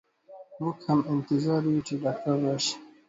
مو ږ هم انتظار يو چي ډاکټر راشئ.